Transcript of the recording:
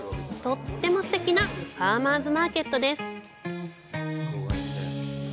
とってもすてきなファーマーズマーケットです。